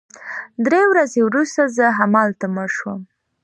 درې ورځې وروسته زه همالته مړ شوم